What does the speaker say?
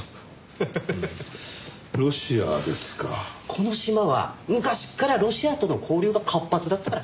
この島は昔からロシアとの交流が活発だったから。